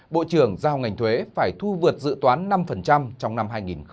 bộ trưởng giao ngành thuế phải thu vượt dự toán năm trong năm hai nghìn một mươi tám